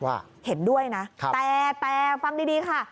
เห็นด้วยนะแต่ฟังดีค่ะ